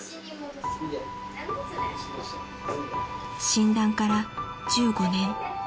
［診断から１５年］